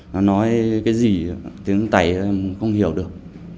nói cái gì tiếng tẩy em không hiểu được